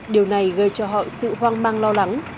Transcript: điều này gây cho họ sự hoang mang lo lắng